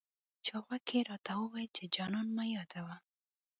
چا غوږ کي راته وويل، چي جانان مه يادوه